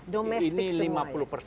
domestik semua ya